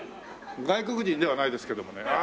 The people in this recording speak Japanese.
外国人ではないですけどもね。